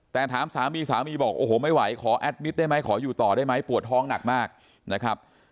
แต่ถามสามีสามีบอกโอ้โหไม่ไหวขอแอดมิตรได้ไหมขออยู่ต่อได้ไหมปวดท้องหนักมากนะครับ